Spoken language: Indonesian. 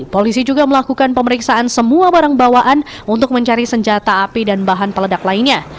polisi juga melakukan pemeriksaan semua barang bawaan untuk mencari senjata api dan bahan peledak lainnya